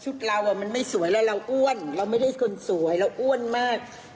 เรามันไม่สวยแล้วเราอ้วนเราไม่ได้คนสวยเราอ้วนมาก